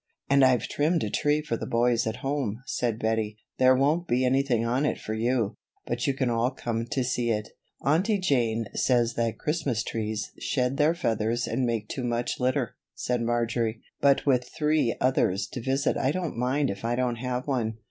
"And I've trimmed a tree for the boys at home," said Bettie. "There won't be anything on it for you, but you can all come to see it." "Aunty Jane says that Christmas trees shed their feathers and make too much litter," said Marjory, "but with three others to visit I don't mind if I don't have one."